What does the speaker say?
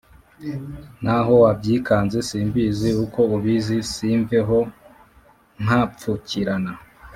n’aho wabyikanze si mbizi uko ubizi simveho mpapfukirana